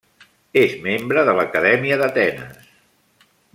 És membre de l'Acadèmia d'Atenes.